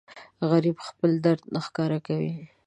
غریب خپل درد نه ښکاره کوي